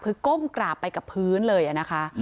คือก้มกราบไปกับพื้นเลยนะคะ